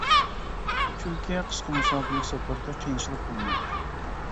چۈنكى قىسقا مۇساپىلىك سەپەردە قىيىنچىلىق بولمايدۇ.